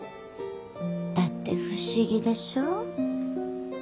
だって不思議でしょう？